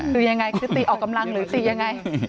คือยังไงคือตีออกกำลังหรือตียังไง